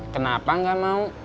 kenapa gak mau